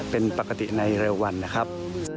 เป็นปกติในเร็ววันนะครับ